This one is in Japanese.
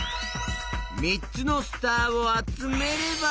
みっつのスターをあつめれば。